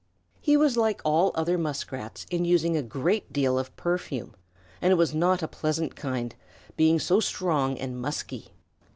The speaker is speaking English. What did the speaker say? He was like all other Muskrats in using a great deal of perfume, and it was not a pleasant kind, being so strong and musky.